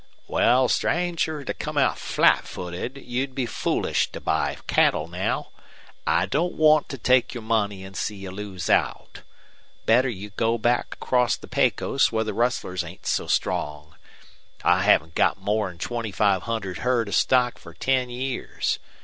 "Wal, stranger, to come out flat footed, you'd be foolish to buy cattle now. I don't want to take your money an' see you lose out. Better go back across the Pecos where the rustlers ain't so strong. I haven't had more'n twenty five hundred herd of stock for ten years.